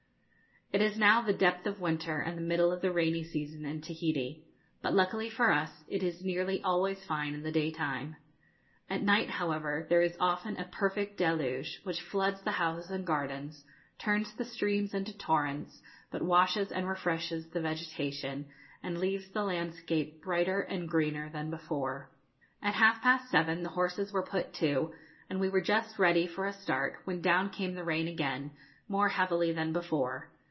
It is now the depth of winter and the middle of the rainy season in Tahiti; but, luckily for us, it is nearly always fine in the daytime. At night, however, there is often a perfect deluge, which floods the houses and gardens, turns the streams into torrents, but washes and refreshes the vegetation, and leaves the landscape brighter and greener than before. At half past seven the horses were put to, and we were just ready for a start, when down came the rain again, more heavily than before.